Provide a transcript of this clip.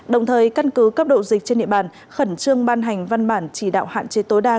đồng thời căn cứ cấp độ dịch trên địa bàn khẩn trương ban hành văn bản chỉ đạo hạn chế tối đa